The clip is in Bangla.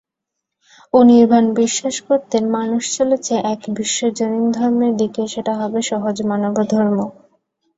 অনির্বাণ বিশ্বাস করতেন, মানুষ চলেছে এক বিশ্বজনীন ধর্মের দিকে, সেটা হবে সহজ মানবধর্ম।